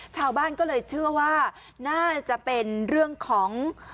ชาวบ้านก็เลยเชื่อว่าน่าจะเป็นเรื่องของ